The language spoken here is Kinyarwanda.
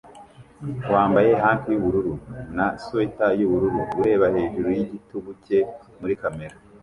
wambaye hankie yubururu na swater yubururu ureba hejuru yigitugu cye muri kamera